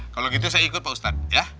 kalau gitu saya ikut pak ustadz ya